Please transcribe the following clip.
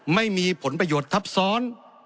ไม่มีผลประโยชน์ทับซ้อน